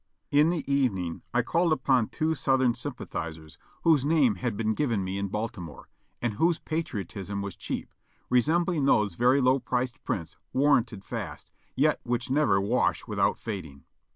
In the evening I called upon two Southern sympathizers whose 468 JOHNNY REB AND BILLY YANK names had been given me in Baltimore, and whose patriotism was cheap, resembHng those very low priced prints warranted fast, yet which never wash without fading.